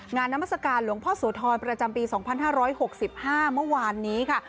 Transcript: นามัศกาลหลวงพ่อโสธรประจำปี๒๕๖๕เมื่อวานนี้ค่ะ